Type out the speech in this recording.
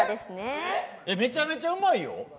めちゃめちゃうまいよ！